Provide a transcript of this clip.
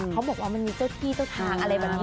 เขาบอกว่ามันมีเจ้าที่เจ้าทางอะไรแบบนี้